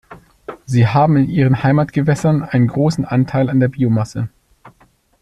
Sie haben in ihren Heimatgewässern einen großen Anteil an der Biomasse.